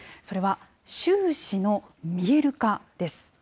それは収支の見える化です。